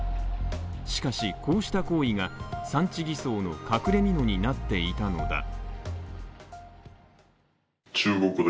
しかし、こうした行為が産地偽装の隠れみのになっていたのだ。